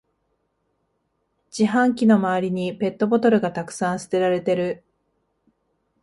自販機の周りにペットボトルがたくさん捨てられてる